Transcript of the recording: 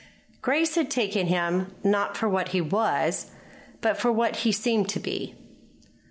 Grace had taken him, not for what he was, but for what he seemed to be.